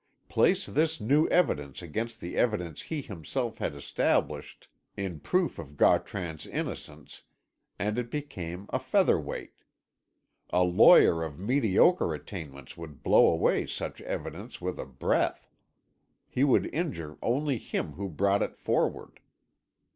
Place this new evidence against the evidence he himself had established in proof of Gautran's innocence, and it became a feather weight. A lawyer of mediocre attainments would blow away such evidence with a breath. It would injure only him who brought it forward.